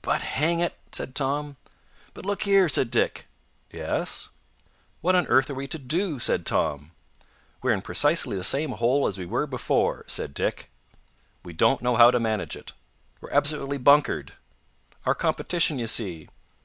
"But, hang it " said Tom. "But, look here " said Dick. "Yes?" "What on earth are we to do?" said Tom. "We're in precisely the same hole as we were before," said Dick. "We don't know how to manage it." "We're absolutely bunkered." "Our competition, you see."